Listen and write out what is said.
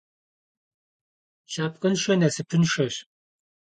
Лъэпкъыншэ насыпыншэщ.